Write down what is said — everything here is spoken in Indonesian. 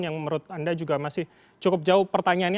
yang menurut anda juga masih cukup jauh pertanyaannya